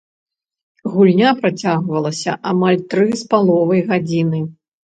Гульня працягвалася амаль тры з паловай гадзіны.